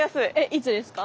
いつですか？